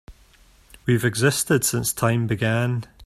We've existed since time began.